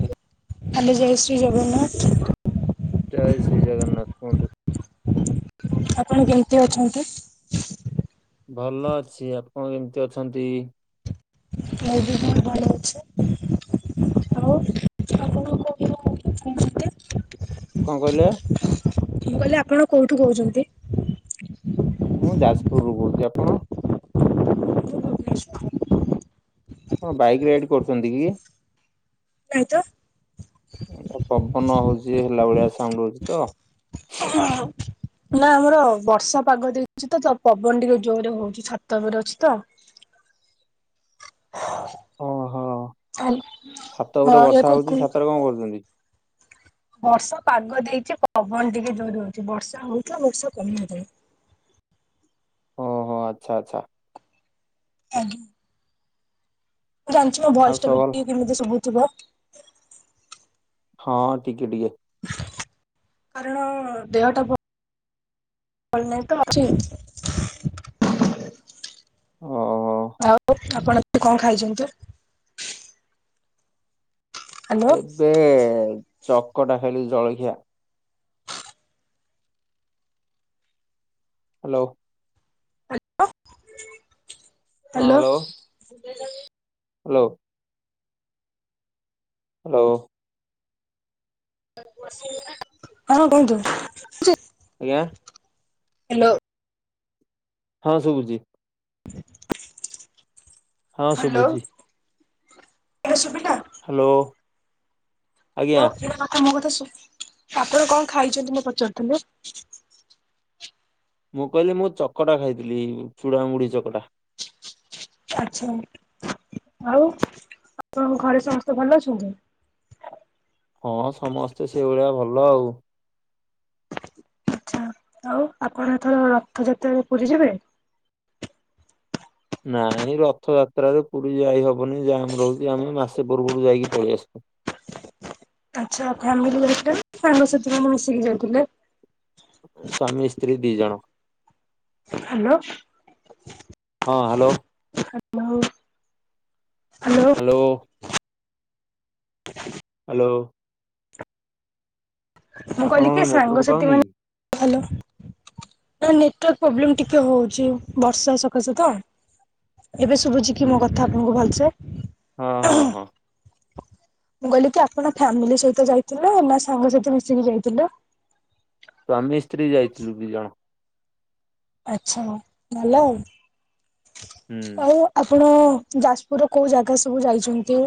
Hello hello ଜୟ ଶ୍ରୀ ଜଗନ୍ନାଥ। ଜୟ ଶ୍ରୀ ଜଗନ୍ନାଥ କୁହନ୍ତୁ। ଆପଣ କେମତି ଅଛନ୍ତି? ଭଲ ଅଛି। ଆପଣ କେମତି ଅଛନ୍ତି? ମୁଁ ବି ବୋହୁତ୍ ଭଲ ଅଛି। ଆଉ ଆପଣଙ୍କ କୋ କୋହୁଛନ୍ତି? କଁ କହିଲେ? ମୁଁ କହିଲି ଆପଣ କୋଉଠୁ କୋହୁଚନ୍ତି? ମୁଁ ଯାଜପୁରରୁୁ କଞହୁଚି। ଆପଣ? ହଁ ବାଇକ୍ ରାଇଡ଼୍ କରୁଚନ୍ତି କି? ନାଇଁ ତ। ଉଁ ପବନ ହଉଚି ହେଲା ଭଳିଆ ସାଉଣ୍ଡ୍ ହଉଚି ତ। ସାହା ଆଉ ନାଁ ଆମର ବର୍ଷା ପାଗ ଦେଇଚି ତ ପବନ ଟିକେ ଜୋରରେ ହୋଉଚି। ଛାତ ଓପରେ ଅଛି ତ। ଓହୋ। ହାଲ୍ ଛାତ ହଁ ଉପରେ ଏଇ ବର୍ଷା କ୍ଷୁଣି ହଉଛି ଥିନି ଛାତରେ ତ କଣ ଓପରେ କରୁଛନ୍ତି? ବର୍ଷା ପାଗ ଦେଇଚି ପବନ ଟିକେ ଜୋରେ ହୋଉଚି। ବର୍ଷା ହୋଉତ ବର୍ଷା କମି ଗଲାଇଁ। ଓଁ ଆଚ୍ଛା ଆଚ୍ଛା। ଆଉ ମୁଁ ଜାଣିଚି ମୋ ଆଉ ଭୟସ୍ ଟା ସବୁ ବି ଭଲ ଟିକେ କେମିତି ଶୁବୁଥୁବ। ହଁ ଟିକେ ଟିକେ। କାରଣ ଦେହଟା ଭ ଭଲ୍ ନା‌ହିଁ ତ ଆଜି। ଓ। ଆଉ ଆପଣ କଁ ଖାଇଛନ୍ତୁ? ହ୍ୟାଲୋ ଏବେ ଚକଟା ଖାଇଲି ଜଳଖିଆ। ହାଲୋ। ହାଲୋ। ହାଲୋ। ହାଲୋ। ହଁ କୁହନ୍ତୁ। ଆଜ୍ଞା? ହାଲୋ। ହଁ ଶୁଭୁଚି। ହଁ ହାଲୋ ଶୁଭୁଛି ଏବେ ଶୁଭିଲା? ହାଲୋ? ତମ କଥା ଶୁନି ଆପଣ କଣ ଖାଇଚନ୍ତି ମୁ ପଚାରୁଥିଲେ? ମୁଁ କହିଲି ମୁଁ ଚକଟା ଖାଇଥିଲି ଚୁଡ଼ାମୁଢି ଚକଟା ଆଚ୍ଛା ଆଉ ଆପଣଙ୍କ ଘରେ ସମସ୍ତେ ଭଲ ଅଛନ୍ତି? ହଁ ସମସ୍ତେ ସେଇଭଳିଆ ଭଲ ଆଉ ଆଚ୍ଛା ଆଉ ଆପଣ ଏଥର ରଥଯାତ୍ରାରେ ପୁରୀ ଯିବେ? ନାଇଁ ରଥଯାତ୍ରାରେ ପୁରୀ ଯାଇହବନି ଯାମ୍ ରହୁଚି ଆମେ ମାସେ ପୂର୍ବରୁ ଯାଇକି ପଳେଆସୁ। ଆଛା ଆଉ କ ଫ୍ୟାମିଲି ଘରେ ଥିଲେ ନା ଫ୍ୟାମିଲ ସହିତ ଆପ ମିଶିକି ଯାଉଥିଲେ। ସ୍ଵାମୀ, ସ୍ତ୍ରୀ ଦିଜଣ ହାଲୋ। ହଁ ହାଲୋ। ହାଲୋ ହୋଉ ହାଲୋ ହାଲୋ? ହାଲୋ? ମୁଁ କହିଲି ଆପଣଙ୍କ କି ନେଟୱାର୍କ ସାଙ୍ଗସାଥି ପାଉନି? ମାନେ ଭଲ। ନାଇଁ ନେଟୱାର୍କ ପ୍ରୋବ୍ଲେମ ଟିକେ ହୋଉଚି ବର୍ଷା ସକାଶେ ତ। ଏବେ ଶୁଭୁଚି କି ହୁଁ ମୋ ହୁଁ କଥା ଆପଣଙ୍କୁ ଭଲସେ? ହଁ ହଁ ହଁ ମୁଁ କହିଲି କି ଆପଣ ଫ୍ୟାମିଲି ସହିତ ଯାଇଥିଲେ ନା ସାଙ୍ଗସାଥୀ ମିଶିକି ଯାଇଥିଲ? ସ୍ୱାମୀ ସ୍ତ୍ରୀ ଯାଇଥିଲୁ ଦି ଜଣ। ଆଚ୍ଛା ଭଲ ଆଉ ହୁଁ। ଆଉ ଆପଣ ଯାଜପୁରର କୋଉ ଜାଗା ସବୁ ଯାଇଚନ୍ତି?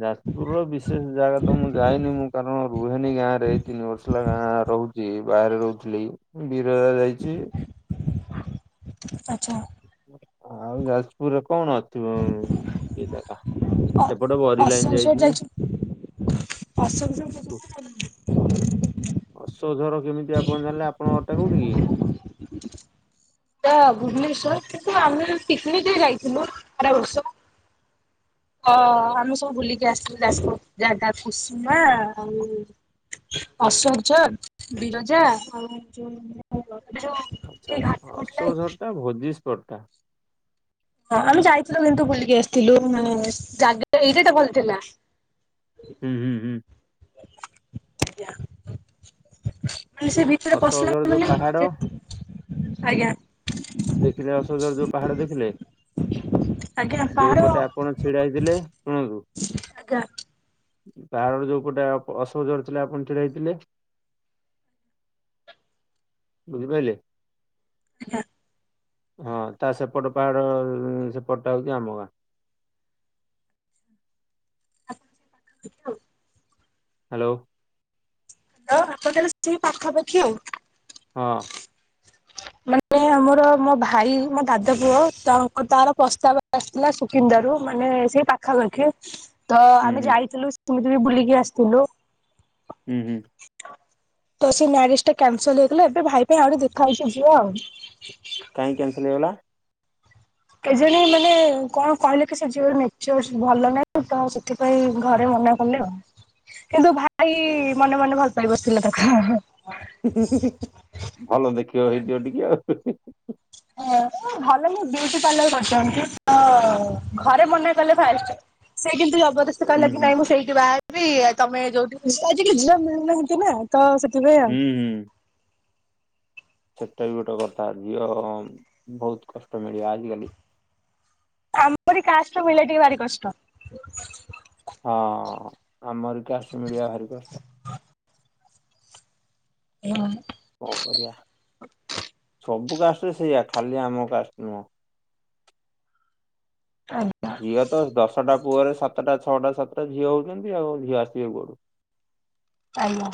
ଯାଜପୁରର ବିଶେଷ ଜାଗା ତ ମୁଁ ଯାଇନି ମୁଁ କାରଣ ରୁହେନି ଗାଁରେ ଏଇ ତିନି ବର୍ଷ ହେଲା ଗାଁ ରହୁଚି ଗାଁରେ ବାହାରେ ରହୁଥିଲି। ମୁଁ ବିରଜା ଯାଇଚି। ଆଛା। ଆଉ ଯାଜପୁରରେ କଣ ଅ ଥିବ କି ଜାଗା ଅ ସେପଟ ବରି ଲାଇନ ଯାଇଚି। ଅଶୋକ ଝର ଯାଇଚନ୍ତି ନା ଯାଇ ଅଶୋକ ଝର କେମିତି ଆପଣ ଜାଣିଲେ ଆପଣଙ୍କ ଘରଟା କୋଉଠି କି? ର ଭୁବନେଶ୍ୱର କିନ୍ତୁ ଆମେ ପିକନିକରେ ଯାଇଥିଲୁ ଆର ବର୍ଷ ହଁ ଆମେ ସବୁ ବୁଲିକି ଆସଥିଲୁ ଯାଜପୁର ଯା-ଯା କୁସୁମା ଆଉ ଅଶୋକ ଝର, ବିରଜା, ଆଉ ଯୋଉ ଏବେ ଯୋଉ ଆଚ୍ଛା ଘାଟ ଆଚ୍ଛା ଘୁଟ ନାହିଁ ଅଶୋକ ଝରଟା ଭୋଜି ସ୍ପଟଟା। ହଁ ଆମେ ଯାଇଥିଲୁ କିନ୍ତୁ ବୁଲିକି ଆସିଥିଲୁ ମାନେ ଜାଗା ଏଇଟା ଏଟା ଭଲଥିଲା। ହୁଁ ହୁଁ ହୁଁ। ମାନେ ସେ ଭିତରେ ପଶିଲା ଅଶୋକଝର ଯୋଉ ମାନେ ପାହାଡ ଯେତ୍ ଆଜ୍ଞା। ଦେଖିଲେ ଅଶୋକ ଝର ଯୋଉ ପାହାଡ ଦେଖିଲେ ଆଜ୍ଞା ପାହାଡ ଯୋଉ ପଟେ ଆ ଆପଣ ଛିଡା ହେଇଥିଲେ ଶୁଣନ୍ତୁ ଆଜ୍ଞା। ପାହାଡର ଯୋଉ ପୋଟେ ଆପ ଅଶୋକ ଝର ଥିଲା ଆପଣ ଛିଡାହେଇଥିଲେ ବୁଝିପାଇଲେ ଆଜ୍ଞା। ହଁ ତା ସେପଟ ପାହାଡ ଅଁ ସେପଟଟା ହୋଉଚି ଆମ ଗାଁ। ଆପଣ ସେଇ ପାଖାପାଖି ଆଉ। ହାଲୋ। ହଁ ହାଟ ତାହେଲେ ସ୍କୁଲ ପାଖା ପାଖି ଆଉ। ହଁ। ମାନେ। ମୋର ମୋ ଭାଇ ମୋ ଦାଦା ପୁଅ ତାଙ୍କ ତାର ପ୍ରସ୍ତାବ ଆସିଥିଲା ସୁକିନ୍ଦାରୁ ମାନେ ସେ ପା ଖା ପାଖି ତ ହୁଁ ଆମେ ହୁଁ ଯାଇଥିଲୁ ସେମିତି ବି ବୁଲିକି ଆସିଥିଲୁ। ହୁଁ ହୁଁ। ତ ସେ ମ୍ୟାରେଜ ଟା କ୍ୟାନସଲ ହେଇଗଲା ଏବେ ଭାଇ ପାଇଁ ଆହୁଟେ ଦେଖା ହଉଛି। ଝୁଅ ଆଉ। କାଇଁ କ୍ୟାନସେଲ ହେଇଗଲା। କେ ଜଣି ମାନେ କଣ କହିଲେ କି ସେ ଝିଅ ର ନେଚରସ୍ ଭଲ ନାହିଁ। ସେଥିପାଇଁ ଘରେ ମନା କଲେ ଆଉ। କିନ୍ତୁ ଭାଇ ମନେ ମନେ ଭଲ ପାଇ ବସିଥିଲା ତାକୁ ହେଁ ହେଁ। ହଁ ଭଲ ଦେଖିବାକୁ ହେଇଥିବ ଟିକେ ଆଉ ହେ ହେ ହେ। ହୁଁ ଭଲ ଲେ ବିୁଟି ପାର୍ଲ କରିଛନ୍ତି ତ ଘରେ ମନେ କଲେ ଫାଷ୍ଟ। ସେ କିନ୍ତୁ ଜବରଦସ୍ତି ହୁଁ କହିଲା କିି ହୁଁ ନାହିଁ ମୁଁ ସେଇଠି ବାହା ହେବି ତମେ ଯୋଉଠି ବୁ ଆଜି କାଲି ଝିଅ ମିଳୁ ନାହାଁନ୍ତି ନା। ତ ସେଥି ପାଇଁ ଆଉ। ହୁଁ ହୁଁ। ସେଟା ବି ଗୋଟେ କଥା ଝିଅ ବହୁତ କଷ୍ଟ ମିଳିବା ଆଜି କାଲି। ଆମରି କାଷ୍ଟ ର ମିଳି ବା ଟିକେ ଭାରି କଷ୍ଟ। ହଁ ଆମର କାଷ୍ଟ ର ମିଳିବା ଭାରି କଷ୍ଟ। [unintelligible] କଁ କରିବା ସବୁ କାଷ୍ଟରେ ସେଇଆ ଖାଲି ଆମ କାଷ୍ଟ ନୁହଁ। ଝିଅ ତ ଦଶଟା ପୁଅରେ ସାତଟା ଛଅଟା ସାତଟା ଝିଅ ହଉଛନ୍ତି ଆଉ ଝିଅ ଆସିବେ କୁଆଡୁ। ଆଜ୍ଞା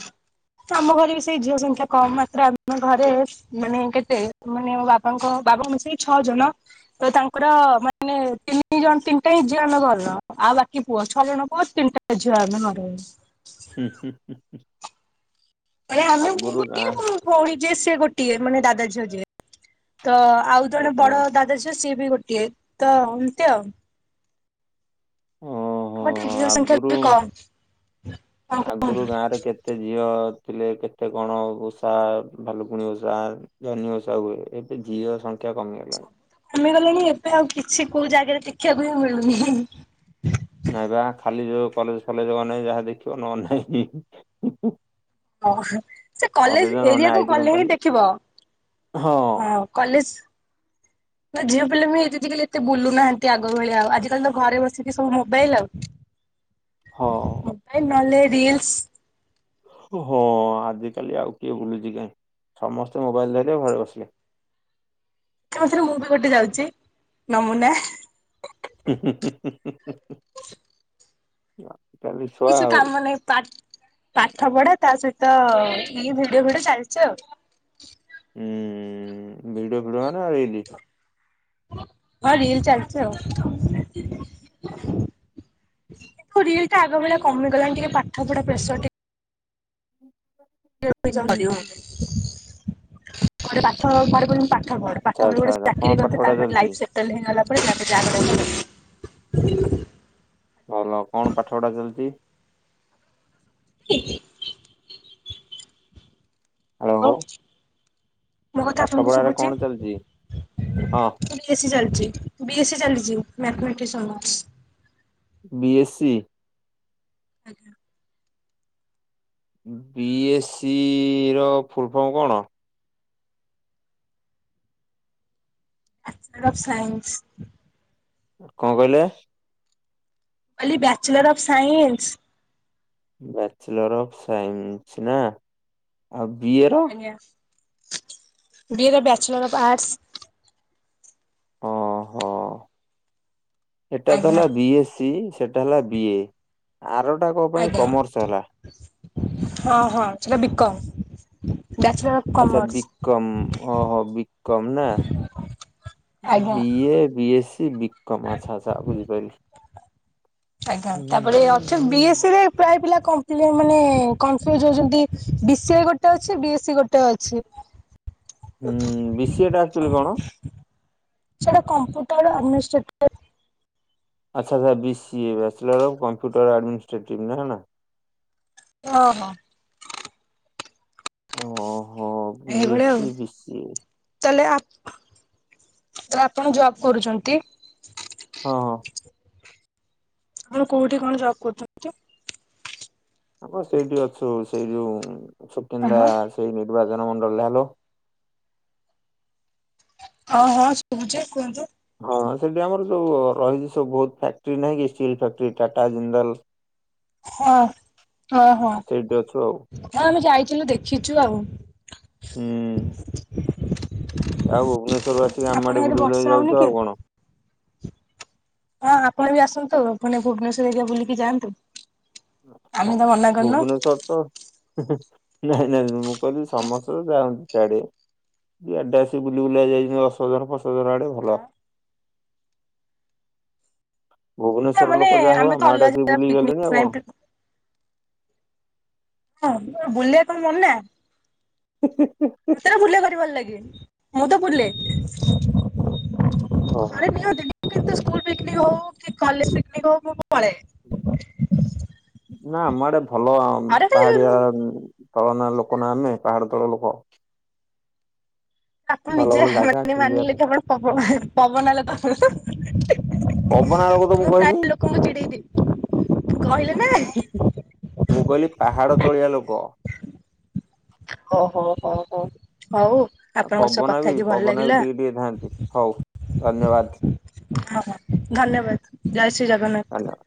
ଆମ ଘରେ ବି ସେଇ ଝିଅ ସଂଖ୍ୟା କମ୍ ମାତ୍ର ଅମ ଘରେ। ମାନେ କେତେ ମାନେ ମୋ ବାପାଙ୍କ ବାବାଙ୍କୁ ମିଶେଇ ଛଅ ଜଣ। ତ ତାଙ୍କର ମାନେ ତିନି ଜଣ ତିନିଟା ହିଁ ଝିଅ ଆମେ ଘରର ଆଉ ବାକି ପୁଅ ଛଅ ଜଣ ଙ୍କର ତିନିଟା। ଝିଅ ଆମେ ଘରେ। ହୁଁ ହୁଁ ହୁଁ ହୁଁ। ମାନେ ଆମେ ମୁଁ ଗୋଟିଏ ଗାଁ ମୋ ଭଉଣୀ ଯିଏ ସିଏ ଗୋଟିଏ ମାନେ ଦାଦା ଝିଅ ଯିଏ। ତ ଆଉ ଜଣେ ଓହୋ ବଡ ଦାଦା ଝିଅ ସିଏ ବି ଗୋଟିଏ ତ ଏମିତି ଆଉ। ଓ। ଆମର ଟିକେ ଝିଅ ସଂଖ୍ୟା ଟିକେ କମ। ଆଗରୁ ଗାଁ ରେ କେତେ ଝିଅ ଥିଲେ କେତେ କଣ ଓଷା ଭାଲୁକୁଣୀ ଓଷା। ଜହ୍ନି ଓଷା ହୁଏ ଏବେ ଝିଅ ସଂଖ୍ୟା କମି ଗଲାଣି। କମି ଗଲେଣି ଏବେ ଆଉ କିଛି କୋଉ ଜାଗାରେ ଦେଖିବାକୁ ହିଁ ମିଳୁନି ହିଁ ହିଁ। ନାଇଁ ବା ଖାଲି ଯୋଉ କଲେଜ ଫଲେଜ ମାନେ ଯାହା ଦେଖିବ ନଲେ ନାଇଁ ହିଁ ହିଁ ହିଁ। ହଁ ସେ କଲେଜ ନହେଲେ ନାଇଁ ଏରିଆକୁ ଆଇଟି ଗଲେ କମ୍ପାନୀ ହିଁ ଦେଖିବ। ହଁ। ହଁ କଲେଜ। ନା ଝିଅ ପିଲା ବି ଫିଜିକାଲି ଏତେ ବୁଲନାହାନ୍ତି ଆଗ ଭଳିଆ ଆଉ ଆଜିିକାଲି ତ ଘରେ ବସିକି ସବୁ ମୋବାଇଲ ଆଉ। ହଁ। ନହେଲେ ରୀଲସ୍। ହଁ ଆଜିକାଲି ଆଉ କିଏ ବୁଲୁଛି କାହିଁ ସମସ୍ତେ ମୋବାଇଲ ଧର ଘରେ ବସିଲେ। ତା ଧିଏରେ ମୁଁ ବି ଗୋଟେ ଯାଉଛି ନମୁନା। ହୁଁ ହୁଁ ହୁଁ ହୁଁ ହୁଁ ହୁଁ ହୁଁ। କିଛି କାମ ନାହିଁ ପାଠ ପଢା ତା ସହିତ ଏଇ ଭିଡିଓ ଫିଡିଓ ଚାଲିଛି ଆଉ। ଉଁ ଭିଡିଓ ଫିଡ଼ିଓ ମାନେ ଆଉ ଏଇ ରି ହଁ ରିଲ ଚାଲିଛି ଆଉ। ଆଉ ରିଲ ଟା ଆଗ ଭଳିଆ କମିଗଲାଣି ଟିକେ ପାଠ ପଢା ପ୍ରେସର ଟିକେ। ହୁଁ। [inaudible] ପାଠ ପଢ ପାଠ ପଢି ଆଚ୍ଛା ଗୋଟେ ଆଚ୍ଛା ଆଚ୍ଛା କଣ ଚାକିରି ପାଠ ପଢା ଚାଲିଛି କରନ୍ତି ତାପରେ ଲାଇଫ୍ ସେଟ୍ [inaudible] ଭଲ କଣ ପାଠ ପଢା ଚାଲିଛି? ହଁଁ ହାଲୋ। ମୋ କଥା ଆପଣଙ୍କୁ ଶୁଭୁଚି? କଣ ଚାଲିଛି? ହଁ ବିଏସି ଚାଲିଛି ବିଏସି ଚାଲିଛି ମଥମେଟିକ୍ସ ଅନର୍ସ ବିଏସି ଆଜ୍ଞା। ବି ଏ ସି ର ଫୁଲ ଫର୍ମ କଣ? Bachelor of science. କଣ କହିଲେ? କହିଲି bachelor of science. Bachelor of science ନା ଆଉ ବିଏ ର? B bachelor of arts. ଅ ହ ଏଟା ତ ଆଜ୍ଞା ହେଲା ବିଏସି ସେଟା ହେଲା ବି ଏ। ଆରଟା କଁ ପାଇଁ ଆଜ୍ଞା କମର୍ସ ହେଲା? ହଁ ହଁ ସେଟା ବିକମ [inaudible] ଆଛା ବିକମ ହଁ ହଁ ବିକମ ନା? ଆଜ୍ଞା। ବିଏ ବିଏସି ବିକମ ଆଛା ଆଛା ବୁଝିପାଇଲି। ଆଜ୍ଞା ତାପରେ ଅଛ ବିଏସି ରେ ପ୍ରାୟ ପିଲା [unintelligible] ମାନେ କନଫ୍ୟୁଜ ହଉଛନ୍ତି ବିସିଏ ଗୋଟେ ଅଛି ବିଏସି ଗୋଟେ ଅଛି ହୁଁ ବିସିଏ ଟା ଆକ୍ଚୁଲି କଣ? ସେଟା କମ୍ପୁଟର [unintelligible] ଆଛା ଆଛା BCA bachelor of computer administrative ନା ନା ହଁ ହଁ। ଓହୋ ଏଇଭଳିଆ ଆଉ ବିଏସି ବିସିଏ ତାହେଲେ ଆପ ତ ଆପଣ ଜବ୍ କରୁଚନ୍ତି? ହଁ। ଆପଣ କୋଉଠେ କଣ ଜବ୍ କରୁଛନ୍ତି? ଆମ ସେଇଠି ଅଛୁ ସେଇ ଯୋଉ ସୁକିନ୍ଦା ହ୍ୟାଲୋ ସେଇ ନିର୍ବାଚନ ମଣ୍ଡଳରେ ହାଲୋ ହଁ ହଁ ଶୁଭୁଛି କୁହନ୍ତୁ। ହଁ ସେଠି ଆମର ସବୁ ରହିଛି ସବୁ ବହୁତ ଫ୍ୟାକ୍ଟ୍ରି ନାହିଁ କି ଷ୍ଟିଲ୍ [unintelligible] ଟାଟା ଜିନ୍ଦାଲ ହ ହଁ ହଁ। ସେଇଠି ଅଛୁ ଆଉ ହଁ ଆମେ ଯାଇଥିଲୁ ଦେଖିଛୁ ଆଉ। ହୁଁ ଆଉ ଭୁବନେଶ୍ୱରରୁ ଆସି ଆମ ଆଡେ ଆପଣଙ୍କ ବୁଲି ବର୍ଷା ବୁଲାକି ହଉନି ଯାଉଛ କି? ଆଉ କଣ? ହଁ ଆପଣ ବି ଆସନ୍ତୁ [unintelligible] ଭୁବନେଶ୍ଵର ଏରିଆ ବୁଲିକି ଯାଆନ୍ତୁ। ଆମେ ତ ହଁ ମନା କରିନୁ। ଭୁବନେଶ୍ଵର ତ ନାଇଁ ନାଇଁ ମୁଁ କହିଲି ସମସ୍ତେ ଦ ଯାଆନ୍ତି ସିଆଡେ ଇଆଡେ ଆସି ବୁଲି ବୁଲା ଯାଇଛନ୍ତି ଅସୋଧନ ପ୍ରସୋଧର ଆଡେ ଭଲ ନା ଭୁବନେଶ୍ଵର ମାନେ ଲୋକ ଯାହା ହଉ ଆମେ ତ ଆମ ଆଡେ ଅଲଗା ଆସିକି ଜାଗା ବୁଲି ପିକନିକ ଗଲେଣି ଆଉ ପାଇଁ କଣ ହଁ ବୁଲିବା କଣ ମନା। [inaudible] ସତରେ ବୁଲିବାକୁ ଭାରି ଭଲ ଲାଗେ ମୁଁ ତ ବୁଲେ [inaudible] ମୁଁ ଓହୋ। କିନ୍ତୁ ସ୍କୁଲ ପିକନିକ ହଉ କି କଲେଜ ପିକନିକ୍ ହଉ ମୁଁ ପଳେ। ନା ଆମ ଏଡେ ଭଲ ଘରେ ତ ପାହାଡିଆ ତଳ ନା ଲୋକ ନା ଆମେ ପାହାଡ ତଳ ଲୋକ। ଆପଣ ଭଲ ନିଜେ ଭଲ ଜାଗା ଅଛି [unintelligible] ବୁଲିବା ମାନିଲେ ପାଇଁ ତ ଆପଣ ପବ ଏ ହେଁ ପବନା ଲୋକ ହେଁ ହୁଁ। ପବନା ଲୋକ ତ ମୁଁ ମୁଁ କହିନି ପ୍ରାୟ ଲୋକଙ୍କୁ ଚିଡେଇ ଦିଏ। କହିଲେ ନା। ମୁଁ କଇଲି ପାହାଡ ତଳିଆ ଲୋକ। ଓ ହୋ ହୋ ହୋ ହଉ। ଆ ଆପଣଙ୍କ ସହ ପବନା କଥା ବି ହେଇକି ଭଲ ପବନା ବି ଲାଗିଲା। ଟିକେ ଟିକେ ଥାଆନ୍ତି ହଉ ଧନ୍ୟବାଦ। [unintelligible] ଧନ୍ୟବାଦ। ଜୟ ଶ୍ରୀ ଜଗନ୍ନାଥ। ଧନ୍ୟବାଦ।